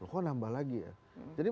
kok nambah lagi ya jadi